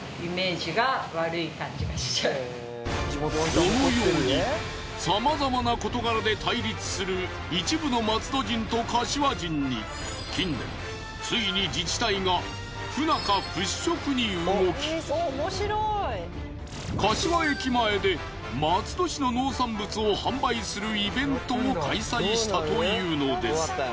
このようにさまざまな事柄で対立する一部の松戸人と柏人に近年ついに自治体が不仲払拭に動き柏駅前で松戸市の農産物を販売するイベントを開催したというのです。